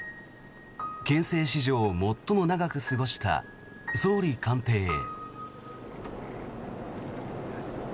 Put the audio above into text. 憲政史上最も長く過ごした総理官邸へ。